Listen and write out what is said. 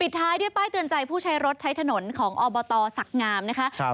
ปิดท้ายที่ป้ายเตือนใจผู้ใช้รถใช้ถนนของอบศักย์งามนะครับ